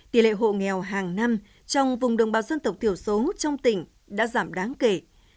tỷ lệ hộ nghèo hàng năm trong vùng đồng bào dân tộc thiểu số trong tỉnh đã giảm đáng kể